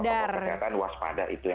harus selalu sadar